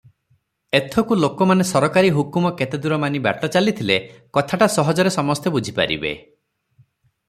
ଏଥକୁ ଲୋକମାନେ ସରକାରୀ ହୁକୁମ କେତେଦୂର ମାନି ବାଟ ଚାଲିଥିଲେ କଥାଟା ସହଜରେ ସମସ୍ତେ ବୁଝିପାରିବେ ।